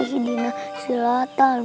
ikan terkamuk yukres